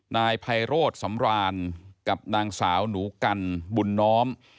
นายไพโรธสำรานกับนางสาวหนูกันบุญน้อม